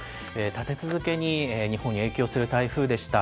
立て続けに日本に影響する台風でした。